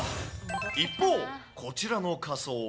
一方、こちらの仮装は。